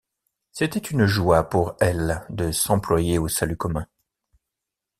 C’était une joie pour elles de s’employer au salut commun.